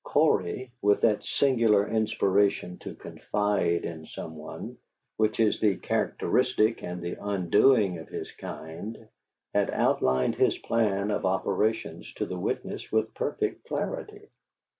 Cory, with that singular inspiration to confide in some one, which is the characteristic and the undoing of his kind, had outlined his plan of operations to the witness with perfect clarity.